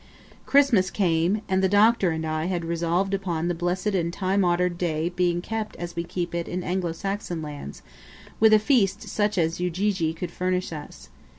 Christmas came, and the Doctor and I had resolved upon the blessed and time honoured day being kept as we keep it in Anglo Saxon lands, with a feast such as Ujiji could furnish us.